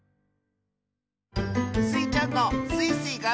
スイちゃんの「スイスイ！がんばるぞ」